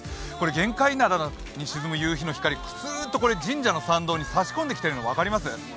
玄界灘に沈む夕日がすーっと神社の参道に差し込んできているの分かります？